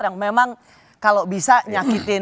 yang memang kalau bisa nyakitin